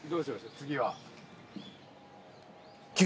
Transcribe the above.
次は。